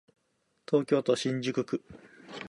東京都新宿区